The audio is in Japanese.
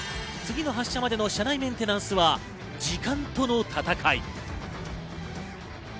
次の発車までの車内メンテナンスは時間との戦い。